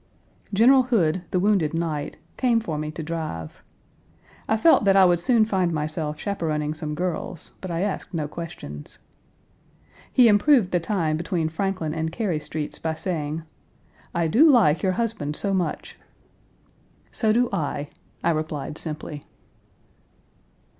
General Hood, the wounded knight, came for me to drive. I felt that I would soon find myself chaperoning some girls, but I asked no questions. He improved the time between Franklin and Cary Streets by saying, "I do like your husband so much." "So do I," I replied simply.